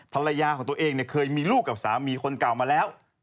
ภรรยาของตัวเองเคยมีลูกกับสามีคนเก่ามาแล้ว